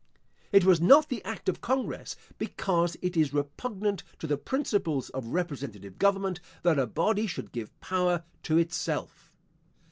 It was not the act of congress, because it is repugnant to the principles of representative government that a body should give power to itself.